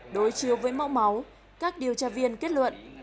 đối chiếu với mẫu máu các điều tra viên kết luận